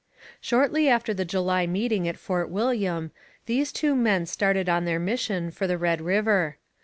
Shortly after the July meeting at Fort William these two men started on their mission for the Red River.